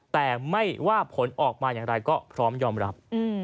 แต่ไม่ว่าผลออกมาอย่างไรก็พร้อมยอมรับ